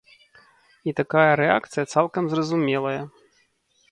І такая рэакцыя цалкам зразумелая.